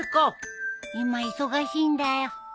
今忙しいんだよ。